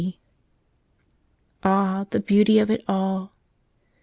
Ah, the beauty of it all!